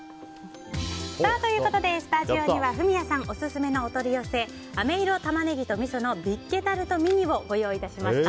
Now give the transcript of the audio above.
スタジオにはフミヤさんオススメのお取り寄せ飴色玉ねぎとみそのビッケタルトミニをご用意いたしました。